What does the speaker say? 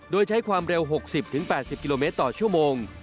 โดยใช้ความเร็ว๖๐๘๐กิโลเมตรต่อชั่วโมง